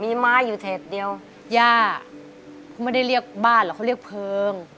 มีไม้อยู่เศษเดียวย่าไม่ได้เรียกบ้านหรอกเขาเรียกเพลิง